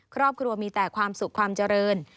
ครอบครัวมีแต่ความสุขความเจริญ